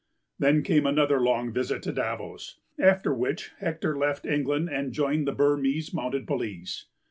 Then came another long visit to Davos, after which Hector left England and joined the Burmese Mounted Police.